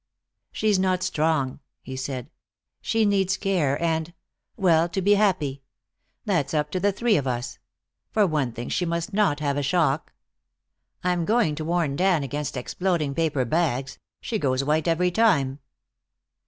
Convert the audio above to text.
"She's not strong," he said. "She needs care and well, to be happy. That's up to the three of us. For one thing, she must not have a shock. I'm going to warn Dan against exploding paper bags; she goes white every time."